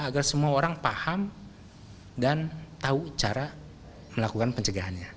agar semua orang paham dan tahu cara melakukan pencegahannya